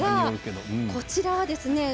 こちらはですね